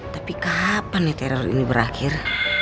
tapi kapan ya teror ini berakhir